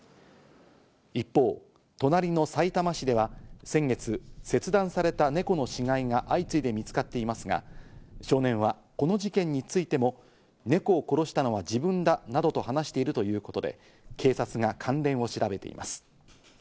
一方、隣のさいたま市では先月、切断された猫の死骸が相次いで見つかっていますが、少年はこの事件についても猫を殺したのは自分だなどと話しているということで、警察が関連を調べています。